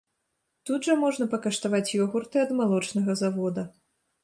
Тут жа можна пакаштаваць ёгурты ад малочнага завода.